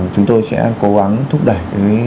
chúng tôi sẽ cố gắng thúc đẩy